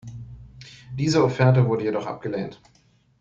Diese Offerte wurde jedoch abgelehnt.